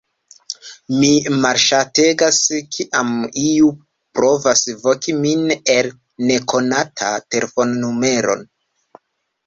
Mi malŝategas kiam iu provas voki min el nekonata telefonnumero.